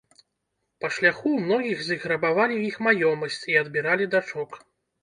Па шляху ў многіх з іх рабавалі іх маёмасць і адбіралі дачок.